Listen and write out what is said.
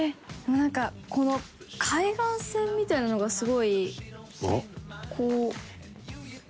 なんかこの海岸線みたいなのがすごいこう。